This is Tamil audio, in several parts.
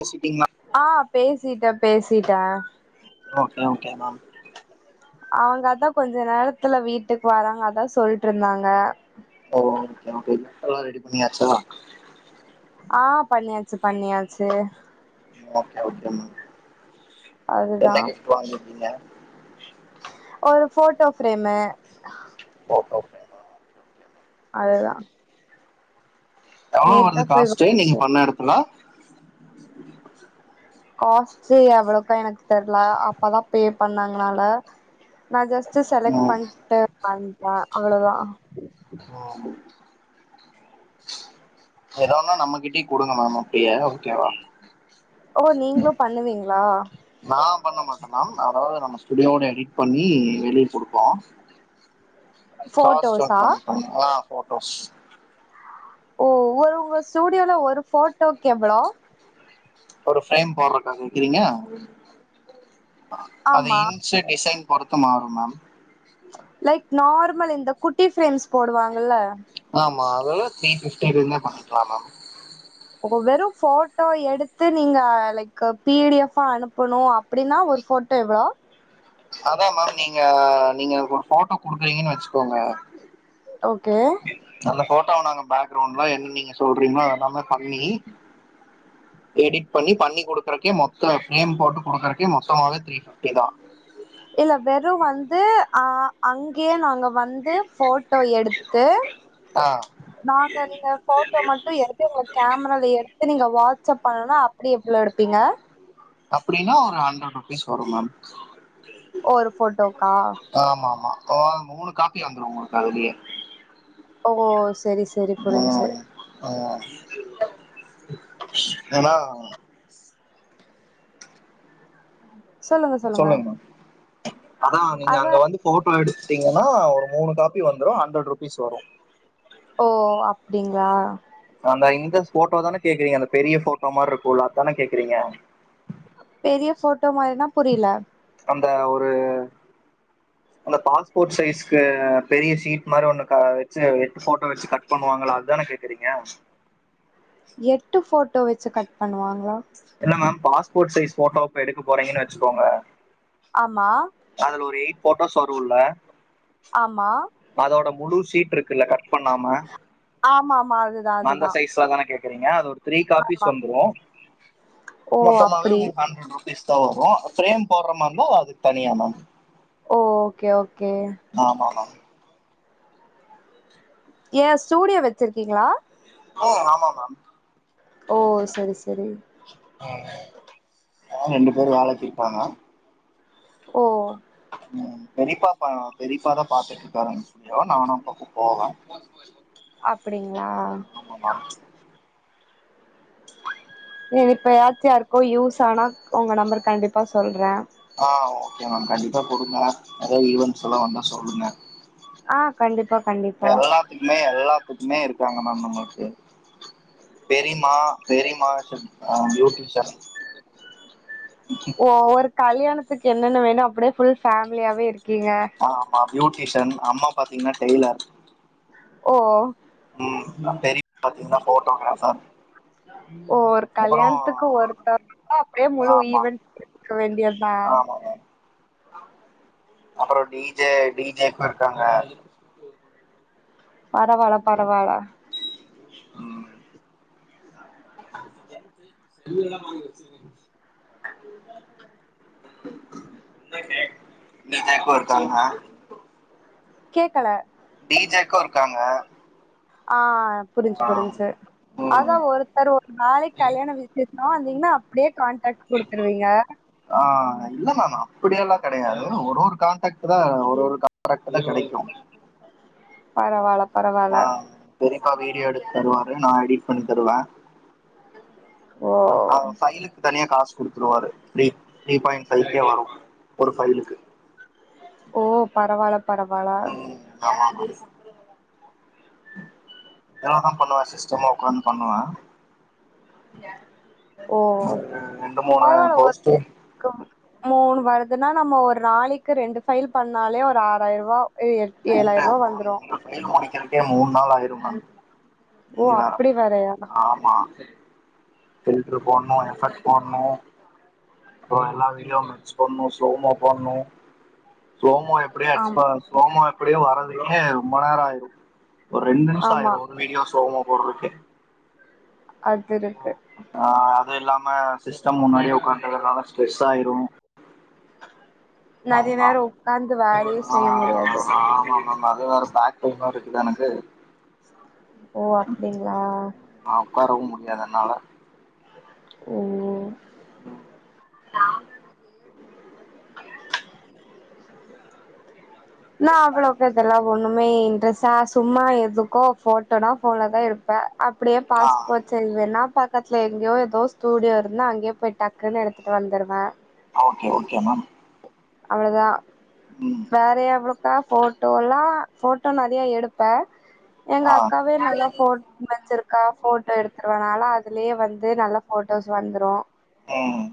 பேசிட்டீங்களா ஆ பேசி சீட்டே பேசீட்டே ஓகே ஓகே மேம் அவங்க அதா கொஞ்ச நேரத்துல வீட்டுக்கு வராங்க அதா சொல்ட்டு இருந்தாங்க ஓ ஓகே ஓகே ரெண்ட் எல்லா ரெடி பண்ணியாச்சா ஆ பண்ணியாச்சி பண்ணியாச்சி ஓகே ஓகே மேம் அதுதா என்ன கிப்ட்டு வாங்கி இருக்கீங்க ஒரு போட்டோ பிரேமே ஓகே அததா எவ்ளோ வருது காஸ்ட்டு நீங்க பண்ண எடத்துல காஸ்ட்டு அவளோக்க எனக்கு தெர்ல அப்பதா பேப் பண்ணாங்கனால நா ஜஸ்ட் டிரஸ் செலக்ட் ம் பண்ணிட்டு வண்ட்டே அவ்ளதா ம் எதுவுன்னா நம்மகிட்டயே குடுங்க மேம் ஓகேயா ஓகேவா ஓ நீங்களு பண்ணுவீங்களா நா பண்ண மாட்டோமேம் அதாவது நம்ம ஸ்டுடியோட எடிட் பண்ணி வெளிய கொடுப்போ காஸ்ட் போட்டோஸா கம்மி பண்ணுங்ளா அப்ப ஓகே பஸ் ஓ ஒரு உங்க ஸ்டுடியோல ஒரு போட்டோக்கு எவ்ளோ ஒரு ஃப்ரேம் போடுறக்கா கேக்கிறீங்க அது ஆமா இன்சிய டிசைன் பொறுத்து மாறும் மேம் லைக் நார்மல் இந்த குட்டி ஃப்ரேம்ஸ் போடுவாங்கல்ல மா அதெல்லா த்ரீ பிஃப்டில இருந்தே பண்ணிக்கலா மேம் வெறு போட்டோ எடுத்து நீங்க லைக் பி டி எஃப்பா அனுப்பணு அப்டின்னா ஒரு போட்டோ எவ்ளோ அதா மேம் நீங்க நீங்க எனக்கு ஒரு போட்டோ குடுக்கறீங்கனு வெச்சுக்கோங்க ஓ நல்ல போ டோவ நாங்க பேக்ரவுண்ட்ல என்ன நீங்க சொல்றீங்ளோ அதெல்லாமே பண்ணி எடிட் பண்ணி பண்ணி குடுக்கறக்கே மொத்தோ ஃப்ரேம் போட்டு குடுக்கறக்கே மொத்தமாவே த்ரீ ஃபிஃப்டிதா இல்ல வெறு வந்து ஆ அங்கெயே நாங்க வந்து போட்டோ எடுத்து ஆ நாங்க நீங்க போட்டோ மட்டு எடுத்து உங்கள கேமரால எடுத்து நீங்க வா ட்ஸ் ஆஃப் பண்ணனுனா அப்டி எவ்ளோ எடுப்பீங்க அப்டின்னா ஒரு ஹண்ட்ரட் ருபீஸ் வரு மேம் ஒரு ஃபோட்டோக்கா ஓ மூணு காப்பி வந்துரு உங்களுக்கு அதுலயே ஓ சரி சரி புரிஞ்சு ஏனா சொல்லுங்க சொல்லுங்க அதா நீங்க அங்க அதான் வந்து போட்டோ எடு த்தீங்கன்னா ஒரு மூணு காப்பி வந்துரு ஹண்ட்ரட் ருபீஸ் வரு ஓ அப்டிங்ளா அந்த இந்த ஃபோட்டோதானே கேக்குறீங்க அந்த பெரிய போட்டோ மார் இருக்குல்ல அதான கேக்குறீங்க பெரிய போட்டோ மாரினா புரில அந்த ஒரு அந்த பாஸ்போர்ட் சைஸு பெரிய ஷீட் மாரி ஒண்ணு க வெச்சு எட்டு போட்டோ வெச்சு கட் பண்ணுவாங்ளா அதான கேக்குறீங்க எட்டு ஃபோ ட்டோ வெச்சு கட் பண்ணுவாங்ளா இல்ல மேம் பாஸ்போர்ட் சைஸ் ஃபோட்டோ இப்ப எடுக்க போறீங்கனு வெச்சுக்கோங்க ஆம் அதுல ஒரு எயிட் போட்டோஸ் வருல்ல ஆமா அதோட முழு சீட்ருக் குல கட் பண்ணாம ஆமா ஆமா அதுதான் அதுதான் அந்த சைஸ்ல தான கேக்றீங்க அது ஒரு த்ரீ காபிஸ் ஆமா வந்துரும் ஓ மொத்தமாவே அப்டி உங்களுக்கு ஹன்ட்ரட் ருபீஸ் தா வரு ஃபிரேம் போற மாரிந்தா அதுக் தனி அமௌன் ஓ ஓகே ஓ மா ஆமாமா ஏ ஸ்டூடியோ வச்சிருக்கீங்களா ம் ஆமாமா ஓ செரி செரி ம் ஆனா ரெண்டு பேர் வேலைக்கு இருக்காங்க ஓ ம் பெறிப்பா பா பெறிப்பாதா பாத்துட்ருக்காரு அந்த ஸ்டுடியோ நானு அப்பப்போ போவேன் அப்டிங்களா ஆமாம் மேம் இப்ப யாச்சு யாருக்கோ யூஸ் ஆனா உங்க நம்பர் கண்டிப்பா சொல்ற ஆ ஓகே மேம் கண்டிப்பா குடுங்க நெறய ஈவன்ட்ஸ்ல்லா வந்தா சொல்லுங்க ஆ கண்டிப்பா இப்ப கண்டிப்பா எல்லாத்துக்குமே எல்லாத்துக்குமே இருக் காங்க மேம் நமக்கு பெரிமா பெரிமா பியூட்டிஷன் ஓ ஒரு கல்யாண துக்கு என்னென்ன வேணு அப்டியே ஃபுல் ஃபமிலியாவே இருக் கீங்க ஆ ஆமா பியூட்டிஷன் அம்மா பாத்தீங்கன்னா டெய்லர் ஓ என்ன போட்டோகிராஃபர் ஓ ஒரு அப்புறோ கல்யாண்த்துக்கு ஒருத்தர் ந்த அப்டியே முழு ஆமா ஈவென்ட் எடுக்க வேண்டியது தா அப்பறோ டிஜே டிஜேக்கு இருக்காங்க பரவால பரவால ம் டிஜேக்கு இருக்காங்க கேக்கல டிஜேக்கு இருக்காங்க ஆ புரிஞ்சுது ஆ புரிஞ்சுது அதா ம் ஒருத்தர் ஒரு நாளைக்கு கல்யாண விசேஷோ இல்லே அப்டியே கான்டாக்ட் குடுத்துருவீங்க ஆ இல்லேனானா இப்படியெல்லா கெடயாது ஒரு ஒரு கான்டேக்ட் தா ஒரு ஒரு கான்டேக்ட் தா கிடைக்கு பரவால்ல ஆ பரவால்ல செரி அக்கா வீடியோ எடுத்து தருவாரு நான் எடிட் பண்ணி தருவேன் ஓ ஆ ஃபைலுக்கு தனியா காசு குடுத்துருவாரு ப்ரீ த்ரி பாயிண்ட் ஃபைகே வரும் ஒரு ஃபைலுக்கு ஓ பரவால்ல பரவாலா தியானோதா பண்ணுவ சிஸ்டம்ல உக்காந்து பண்ணுவ ஓ பரவால்ல ஒர் போஸ்ட் கும் அ மூணு வருத் இதுன்னா நம்ம ஒரு நாளைக்கு ரெண்டு ஃபைல் பண்ணாலே ஒரு ஆறாயிரம் ரூபா [unintelligible] முடிக்கிறக்கே மூணு நாள் ஆயிரும் ஆ ஓ நீங்க வேறோ அப்டி வேறயா ஆமா ஃபில்ட்ரு போட்னும் எஃபெர்ட் போட்னும் அப்புறம் எல்லா வீடியோவும் மெர்ஜ் பண்ணோஸ் ஸ்லோமோ போட்ணு ஸ்லோமோ எப்புடியா ஆம் எக்ஸ்பஸ் ஸ்லோமோ எப் ப்புடியே வரதுக்கேய ரொம்ப நேரம் ஆயிரும் ஒரு ரெண்டு நிமிஷம் ஆமா ஆயிரும் ஒரு வீடியோ ஸ்லோமோ போட்ரக்கே அது இருக்கு ஆ தூ இல்லாம சிஸ்டம் முன்னாடியே உக்கான்றதுனால ஸ்ட்ரெஸ் ஆயிடும் நெறைய ஆமா நேரோ உக்காந்து வேலையு [unintelligible] ஆ செய்ய முடியாது ஆமா அண்ட் அது வேற பேக் பேயினா இருக்குது எனக்கு ஓ அப்டிங்களா உக்காரவும் முடியாது என்னால ஓ ம் நா அவ்வளவு [unintelligible] ஒண்ணுமே இன்ட்ரெஸ்ட் நா சும்மா எதுக்கோ போட்டோனா போன்ல தா எடுப்பே அப்டியே ஆ பாஸ்போர்ட் சைஸ் வேன்னா பாக் பக்கத்துல எங்கயோ ஏதோ ஸ்டூடியோ இருந்தா அங்கயே போயி டக்குன்னு எடுத்துட்டு வந்துடுவே ஓகே ஓகே மேம் அவ்ளோதா ம் வேற எவ்வோ நா போட்டோல்லா போட்டோ நெறைய எடுப்பே எங்க ஆ அக்காவே நல்லா போட் வச்சிருக் கா போட்டோ எடுத்துடுவா‌ நாளா அதுலயே வந்து நல்ல போட்டோஸ் வந்துடு ம்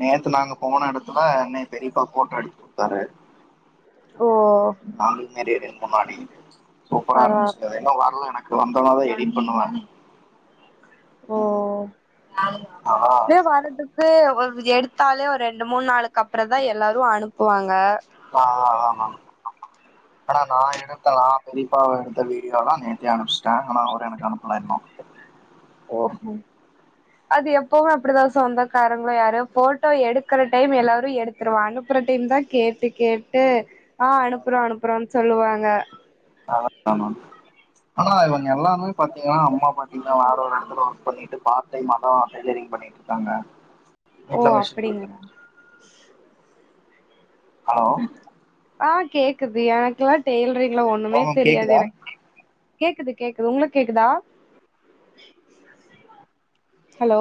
நேத்து நாங்க போன எடத்துல என்ன பெரியப்பா போட்டோ எடுத்து குடுத்தாரு ஓ நாங்களுக்கு மேரேஜ்க்கு முன்னாடி சூப்பரா பரவால இருந்துச்சு இன்னு வரல எனக்கு வ ஒத்தனாதா எடிட் பண்ணலா ஓ ஆனா ஏ வரத்துக்கு எடுத்தாலே ஒரு ரெண்டு மூண் நாளுக்கப்புறந்தா எல்லாரு அனுப்புவாங்க ஆ அதா அதானா நா எடுக்கல பெரியப்பாவை எடுத்த வீடியோலா நேத்தே அனுப்பிச்சுட்டே ஆனா அவரு எனக்கு அனுப் பல இன்னு ஓஹோ அது எப்பவ அப்படிதா சொந்தக்காரங்களோ யாரோ போட்டோ எடுக்கற டைம் எல்லாரு எடுத்துருவாங்க அனுப்புற டைம் தான் கேட்டு கேட்டு ஆ அனுப்புறோ அனுப்புறோனு சொல்லுவாங்க அதான ஆனா இவங்க எல்லாருமே பாத்தீங்கன்னா அம்மா பாத்தீங்கன்னா வேற ஒரு எடத்துல ஒர்க் பண்ணிட்டு பார்ட் டைம்மாதா டெய்லரிங் பண்ணிட்ருக்காங்க ஓ அப்படிங்களா ஹலோ ஆ கேக்குது எனக்குல்லா டெய் ளா ஒண்ணுமே ஹலோ மேம் தெரியாது கேக்குதா எனக் கேக்குது கேக்குது உங்களுக்கு கேக்குதா ஹலோ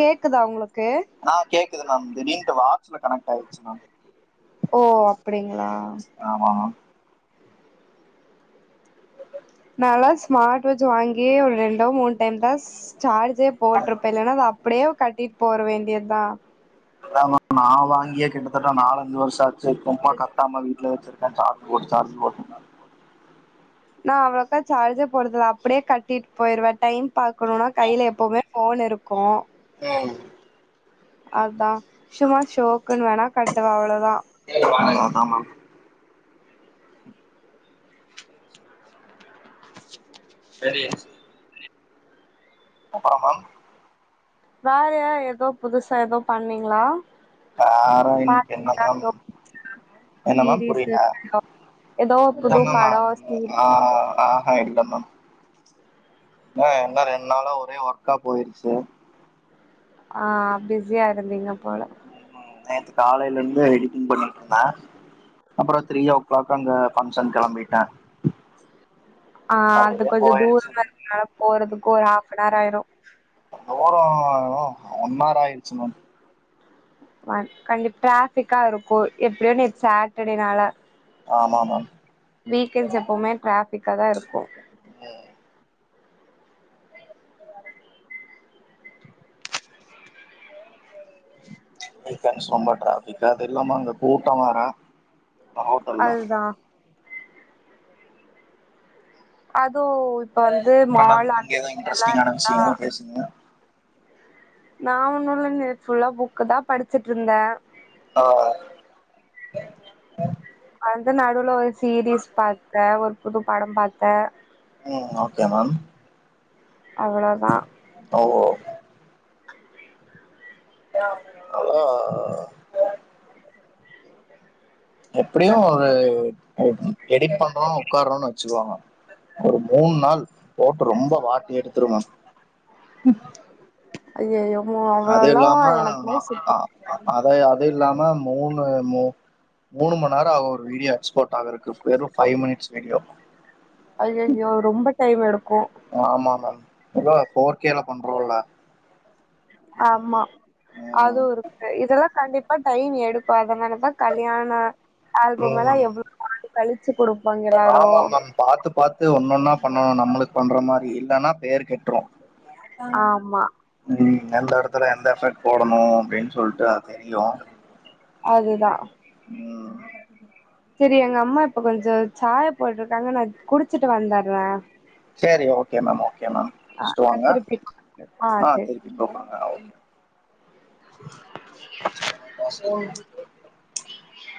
கேக்குதா உங்களுக்கு ஆ கேக்குது மேம் திடீனுட்டு வாட்ல கணக்கு ஆய்டுச்சு மேம் ஓ அப்படிங்களா ஆமா மேம் நாளா ஸ்மார்ட் வாட்ச் வாங்கியே ஒரு ரெண்டோ மூண் டைம்தாஸ் சார்ஜே போட்டிருப்ப இல்லன்னா அத அப்டியே கட்டிட் போற வேண்டியதுதா [unintelligible] நா வாங்கியே கிட்டத கிட்டதட்ட நாலஞ்சு வருஷ ஆச்சு சும்மா காட்டாம வீட்ல வச்சிருக்க சார்ஜ் போட்டு சார்ஜ் போ நா அவ்வளவுக்கா சார்ஜர் போடுறதுல அப்டியே கட்டிட்டுப் போய்ருவே டைம் பாக்கணும்னா கைல எப்பவுமே போன் இருக்கு ம் அதான் சும்மா ஷோக்குன்னு வேணா கட்டுவன் அவ்வளவுதான் ஆமாம் சரி அப்றம்மா வேற ஏதோ புதுசா ஏதோ பண்ணீங்களா [unintelligible] பாத்தீங்களா ஏதோ என்ன மம் சீரீஸ் புரியல ஏதோ புது படோ சீரி [unintelligible] ஆஹ் ஹா இல்ல மேம் ஆ என்ன ரெண்டு நாளா ஒரே ஒர்க்கா போயிருச்சு ஆ பிஸியா இருந்திங்க போல நேத்து காலையில இருந்து எடிட்டிங் பண்ணிட்டு இருந்தேன் அப்பறம் த்ரீ ஓ கிளாக் அங்க பங்க்ஷன் கெளம்பிட்டேன் ஆ அது கொஞ்சோ தூரமா இருக்குனால போறதுக்கு ஒரு ஹாஃப் அன் ஆர் ஆயிரும் போறோம் ஒன்னார் ஆயிடுச்சு மேம் ம கண்டிப் டிராஃபிக்கா இருக்கு எப்படியோ நே சாட்டர்டேனால ஆமா மேம் வீக்கெண்ட்ஸ் எப்பவுமே டிராபிக்கா தா இருக்கும் ம் வீக்கெண்ட்ஸ் ரொம்ப ட்ராஃபிக அது இல்லாம அங்க கூட்டம் வேற காத்அல்ல அதுதா அ அப்ற மேம் நீங்க ஏதோ எல்லா இன்ட்ரெஸ்டிங்கான இருந்தா விஷ்யங்களா பேசுங்க நா ஒண்ணுல்லனே ஃபுல்லா புக்கு தா படிச்சுட்டுருந்தேன் ஆ அந்த நடுல வச் சீரீஸ் பாக்க ஒரு புது படம் பாக் ஆ ம் ஓகே மேம் அவ்வளோதா ஓஓ [unintelligible] எப்டியு ஒரு ஒரு எடிட் பண்றோம் உக்காரோன்னு வச்சுக்குவாங்க ஒரு மூணு நாள் போட்டு ரொம்ப வாட்டி எடுத்துருவேன் ஐயயோ அ அவ்வளோ எல்லா எனக்கு மாரி சுத்தோ அதே அது இல்லாம மூணு மூ மூணு மண் நேரோ ஆகும் ஒரு வீடியோ எக்ஸ்போர்ட் ஆகுறக்கு வெறும் ஃபைவ் மினிட்ஸ் வீடியோ ஐயையோ ரொம்ப டைம் எடுக்கும் எதா போர் கேல பண்றோல ஆமா ம் அதுவும் இருக்கு இதெல்லா கண்டிப் ப்ப டைம் எடுக்கும் அத நென ன கல்யாண ஆல்பம் எல்லா ம் எவ் கலி ஆமா மேம் பாத்து பாத்து ஒன்னொன்னா பண்ணுவோ நம்மளுக் பண்ற மாரி இல்லேன்னா பேரு கெட்ரு ஆமா ம் எந்த எடத்துல எந்த எஃபக்ட் போடணு அப்டின் சொல்ட்டு அது தெரியு அதுதா ம் செரி எங்கம்மா இப்ப கொஞ்சோ சாய போட்ருக்காங்க நா குடிச்சிட்டு வந்தட்றே சேரி ஓகே மேம் ஒகே மேம் குட்சிட்டு வாங்க திருப்பி ஆ திருப்பி கூப்டுங்க ஆ ஓகே [inaudible]